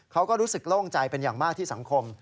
เขาก็รู้สึกโล่งใจเป็นอย่างมากที่สังคม